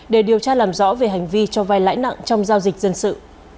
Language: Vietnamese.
để điều tra làm rõ về hành vi cho vai lãi nặng trong giao dịch dân sự